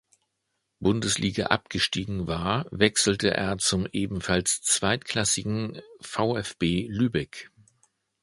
Bundesliga abgestiegen war, wechselte er zum ebenfalls zweitklassigen VfB Lübeck.